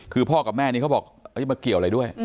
คือพ่อกับแม่นี้เขาบอกจะมาเกี่ยวอะไรด้วย